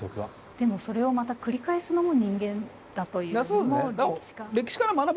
でもそれをまた繰り返すのも人間だという。